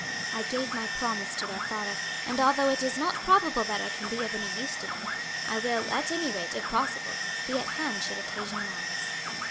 I gave my promise to their father, and although it is not probable that I can be of any use to them, I will at any rate, if possible, be at hand should occasion arise."